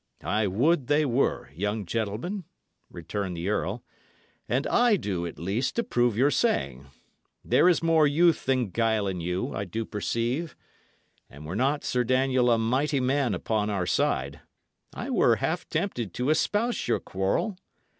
"I would they were, young gentleman," returned the earl; "and I do at least approve your saying. There is more youth than guile in you, I do perceive; and were not Sir Daniel a mighty man upon our side, I were half tempted to espouse your quarrel.